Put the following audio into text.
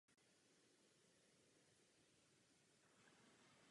Mají podobný mechanismus.